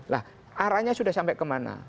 nah arahnya sudah sampai kemana